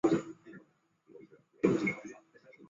学生要在企业里来完成实习部分课程。